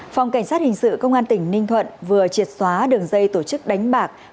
phòng cảnh sát hình sự công an tỉnh ninh thuận vừa triệt xóa đường dây tổ chức đánh bạc